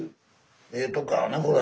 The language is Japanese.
ええとこやねこれ。